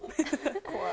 怖い。